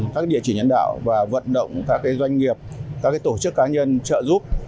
các địa chỉ nhân đạo và vận động các doanh nghiệp các tổ chức cá nhân trợ giúp